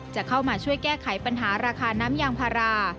จะเข้ามาช่วยแก้ไขปัญหาราคาน้ำยางพารา